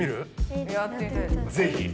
ぜひ。